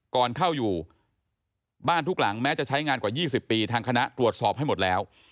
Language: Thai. ก่อนเข้าอยู่บ้านทุกหลังแม้จะใช้งานกว่า๒๐ปีทางคณะตรวจสอบให้หมดแล้ว